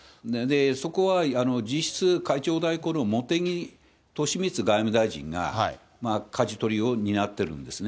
そこは実質、会長代行の茂木敏充外務大臣が、かじ取りを担ってるんですね。